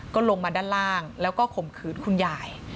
ก็ลงมาด้านล่างแล้วก็ข่มขืนคุณยาย